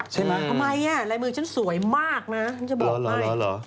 ใช่ไหมทำไมลายมือฉันสวยมากนะฉันจะบอกให้